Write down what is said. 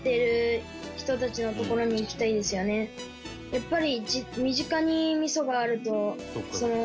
やっぱり。